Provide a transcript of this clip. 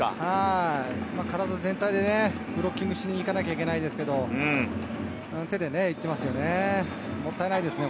体全体でブロッキングしなきゃいけないですけれど、手で行ってますよね。